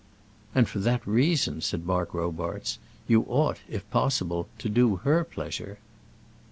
"And for that reason," said Mark Robarts, "you ought, if possible, to do her pleasure."